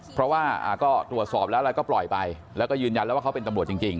เพราะว่าก็ตรวจสอบแล้วอะไรก็ปล่อยไปแล้วก็ยืนยันแล้วว่าเขาเป็นตำรวจจริง